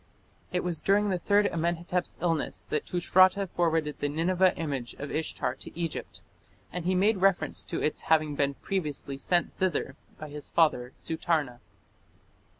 It was during the third Amenhotep's illness that Tushratta forwarded the Nineveh image of Ishtar to Egypt, and he made reference to its having been previously sent thither by his father, Sutarna.